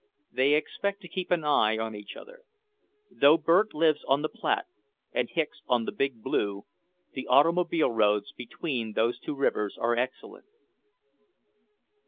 They expect to keep an eye on each other. Though Bert lives on the Platte and Hicks on the Big Blue, the automobile roads between those two rivers are excellent.